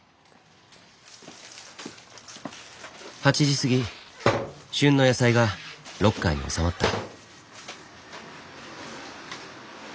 ８時過ぎ旬の野菜がロッカーに納まった。